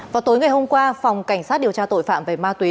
vào tối ngày hôm qua phòng cảnh sát điều tra tội phạm về ma túy